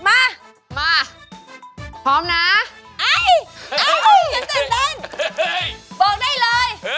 แม่แม่ก็เอาล่ะ